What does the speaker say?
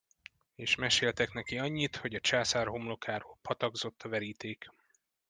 És meséltek neki annyit, hogy a császár homlokáról patakzott a veríték.